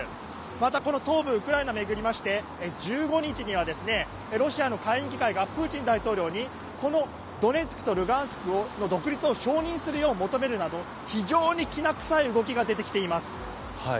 またこの東部ウクライナを巡りまして１５日にはロシアの下院議会がプーチン大統領にこのドネツクとルガンスクの独立を承認するよう求めるなど非常にきな臭い動きが出てきています。